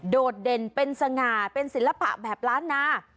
โดดเด่นเป็นสง่าเป็นศิลปะแบบล้านนา